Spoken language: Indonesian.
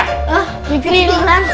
ah fikri hilang